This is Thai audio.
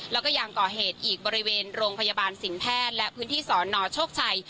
แล้วก็ยังก่อเหตุอีกบริเวณโรงพยาบาลสินแพทย์และพื้นที่สอนอโชคชัย